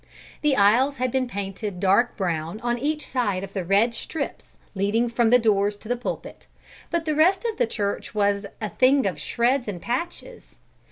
The aisles had been painted dark brown on each side of the red strips leading from the doors to the pulpit, but the rest of the church floor was "a thing of shreds and patches."